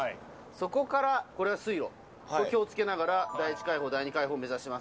そこからこれは水路気を付けながら第一海堡第二海堡目指します。